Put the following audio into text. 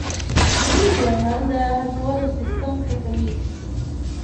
ځینې درمل د هضمولو سیستم ښه کوي.